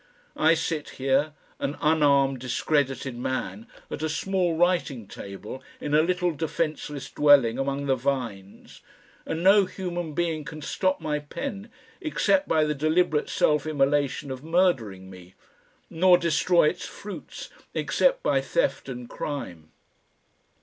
I sit here, an unarmed discredited man, at a small writing table in a little defenceless dwelling among the vines, and no human being can stop my pen except by the deliberate self immolation of murdering me, nor destroy its fruits except by theft and crime.